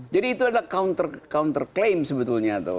jadi itu adalah counter claim sebetulnya tuh